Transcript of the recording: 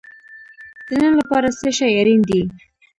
د نن لپاره څه شی اړین دی؟